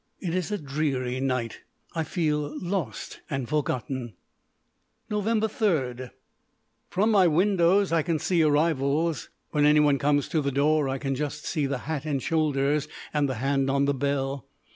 It is a dreary night. I feel lost and forgotten. Nov. 3 From my windows I can see arrivals. When anyone comes to the door I can just see the hat and shoulders and the hand on the bell.